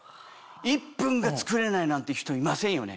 １分がつくれないなんて人いませんよね？